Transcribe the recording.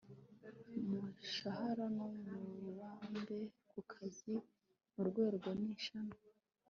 mushahara no mu burambe ku kazi mu rwego n ishami